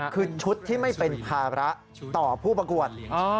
คือชุดที่ไม่เป็นภาระต่อผู้ประกวด